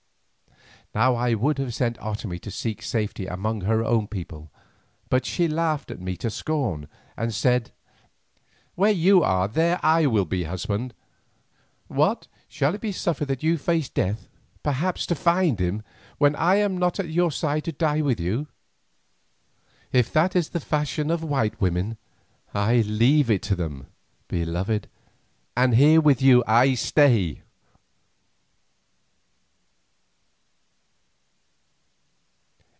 Now I would have sent Otomie to seek safety among her own people, but she laughed me to scorn, and said: "Where you are, there I will be, husband. What, shall it be suffered that you face death, perhaps to find him, when I am not at your side to die with you? If that is the fashion of white women, I leave it to them, beloved, and here with you I stay."